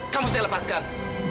kamu saya lepaskan